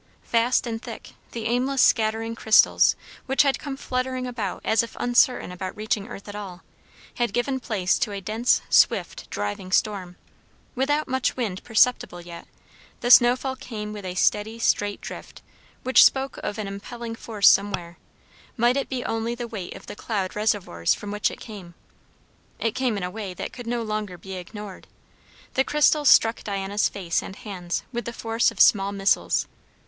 Fast and thick; the aimless scattering crystals, which had come fluttering about as if uncertain about reaching earth at all, had given place to a dense, swift, driving storm. Without much wind perceptible yet, the snowfall came with a steady straight drift which spoke of an impelling force somewhere, might it be only the weight of the cloud reservoirs from which it came. It came in a way that could no longer be ignored. The crystals struck Diana's face and hands with the force of small missiles.